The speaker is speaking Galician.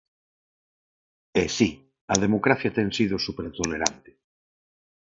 E si, a democracia ten sido supertolerante.